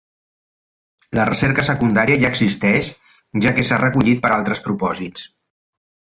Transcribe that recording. La recerca secundària ja existeix ja que s'ha recollit per a altres propòsits.